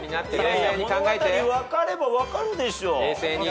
物語分かれば分かるでしょう。